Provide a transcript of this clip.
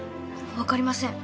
わかりません。